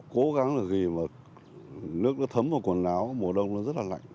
cố gắng là khi mà nước nó thấm vào quần áo mùa đông nó rất là lạnh